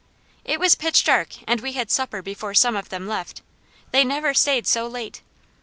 It was pitch dark and we had supper before some of them left; they never stayed so late.